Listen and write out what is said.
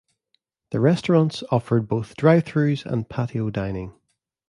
The restaurants offered both drive-thrus and patio dining.